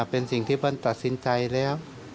เป็นสิ่งที่เปิ้ลตัดสินใจแล้ว